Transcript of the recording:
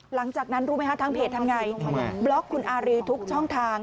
หลังจากนั้นทางเพจทำอย่างไรบล็อกคุณอารีทุกช่องทาง